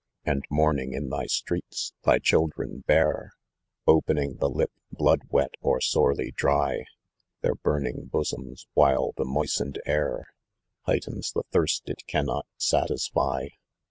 And, mourning in thy streets, thy children (Opening tie lip, blood wet or sorely dry,) Their burning bosoms ; while the moistened air Heightens the thirst it cannot satisfy.